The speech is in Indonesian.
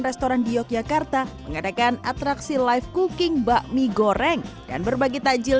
restoran di yogyakarta mengadakan atraksi live cooking bakmi goreng dan berbagi takjil